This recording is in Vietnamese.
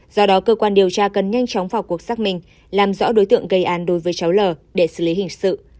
do đó cơ quan điều tra cần nhanh chóng vào cuộc xác minh làm rõ đối tượng gây án đối với cháu l để xử lý hình sự